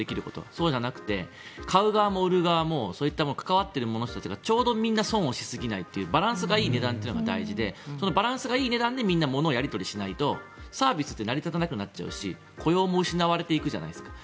そうじゃなくて買う側も売る側もそういったものに関わっている人たちがちょうどみんな損をしすぎないバランスのよい値段が大事でそのバランスがいい値段でみんな、ものをやり取りしないとサービスって成り立たなくなっちゃうし雇用も失われていくじゃないですか。